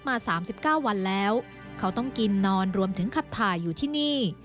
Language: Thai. มา๓๙วันแล้วเขาต้องกินนอนรวมถึงขับถ่ายอยู่ที่นี่